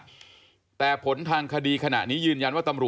ฐานความผิดขณะนี้ตำรวจจึงแจ้งข้อหาร่วมกันพยายามฆ่ากับผู้ต้องหา๖คนจาก๑๒คนไปแล้ว